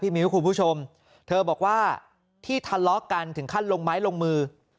มิ้วคุณผู้ชมเธอบอกว่าที่ทะเลาะกันถึงขั้นลงไม้ลงมือ